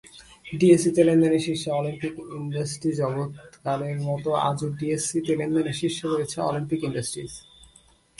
ডিএসইতে লেনদেনে শীর্ষে অলিম্পিক ইন্ডাস্ট্রিজগতকালের মতো আজও ডিএসইতে লেনদেনে শীর্ষে রয়েছে অলিম্পিক ইন্ডাস্ট্রিজ।